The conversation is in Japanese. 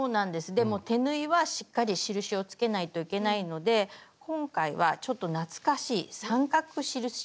でも手縫いはしっかり印を付けないといけないので今回はちょっと懐かしい三角印付けを使います。